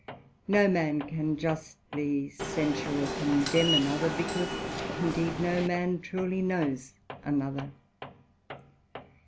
No man can justly censure or condemn another, because indeed no man truly knows another.